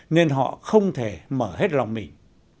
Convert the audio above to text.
nên họ không thể mở hết lòng mình